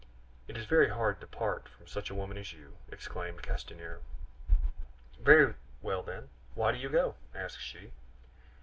"It is very hard to part from such a woman as you!" exclaimed Castanier. "Very well then, why do you go?" asked she.